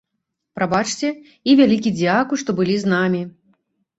Прабачце і вялікі дзякуй, што былі з намі!